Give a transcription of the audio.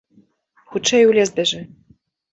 Хутчэй у лес бяжы!